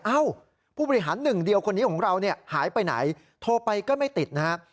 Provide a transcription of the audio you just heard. ผู้บริหารหนึ่งเดียวคนนี้ของเราเนี่ยหายไปไหนโทรไปก็ไม่ติดนะครับ